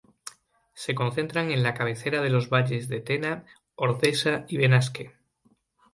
Se concentran en la cabecera de los valles de Tena, Ordesa y Benasque.